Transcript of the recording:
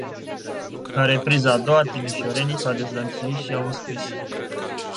În repriza a doua, timișorenii s-au dezlănțuit și au înscris.